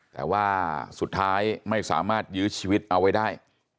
แต่ว่าสุดท้ายไม่สามารถยื้อชีวิตเอาไว้ได้